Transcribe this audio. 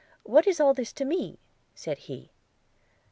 – What is all this to me?' said he.